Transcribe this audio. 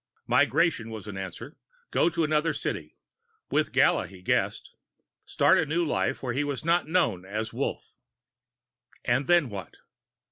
Migration was an answer go to another city. With Gala, he guessed. Start a new life, where he was not known as Wolf. And then what?